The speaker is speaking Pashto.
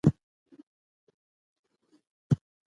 که جغرافیه وي نو هیواد نه پردی کیږي.